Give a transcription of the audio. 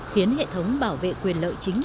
khiến hệ thống bảo vệ quyền lợi chính